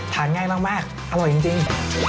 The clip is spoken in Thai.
ง่ายมากอร่อยจริง